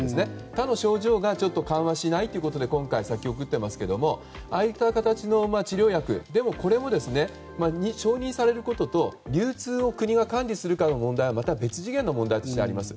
他の症状が緩和しないということで今回は先送っていますけどああいった形の治療薬これも、承認されることと流通を国が管理するかの問題はまた別次元の問題としてあります。